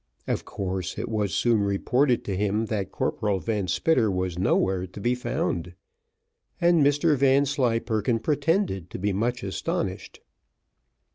Of course, it was soon reported to him that Corporal Van Spitter was nowhere to be found, and Mr Vanslyperken pretended to be much astonished.